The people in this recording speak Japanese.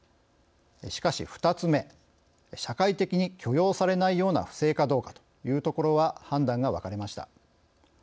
しかし、２つ目社会的に許容されないような不正かどうかというところは判断が分かれました。